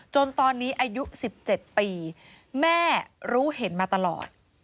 จนตอนนี้อายุ๑๗ปีแม่รู้เห็นมาตลอด